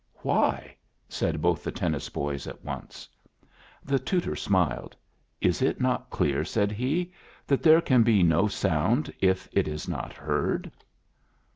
"Why?" said both the tennis boys at once. The tutor smiled. "Is it not clear," said he, "that there can be no sound if it is not heard!"